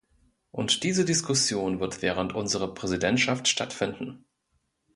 Und diese Diskussion wird während unserer Präsidentschaft stattfinden.